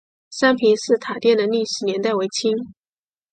三平寺塔殿的历史年代为清。